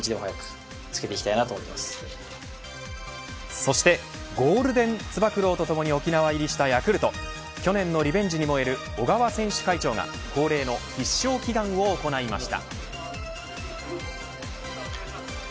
そしてゴールデンつば九郎とともに沖縄入りしたヤクルト去年のリベンジに燃える小川選手会長が恒例の必勝祈願を行いました。